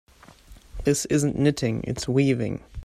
This isn't knitting, its weaving.